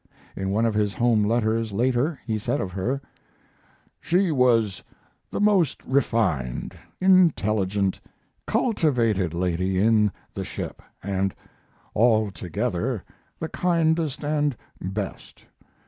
In one of his home letters, later, he said of her: She was the most refined, intelligent, cultivated lady in the ship, and altogether the kindest and best.